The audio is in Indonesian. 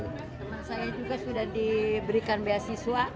teman saya juga sudah diberikan beasiswa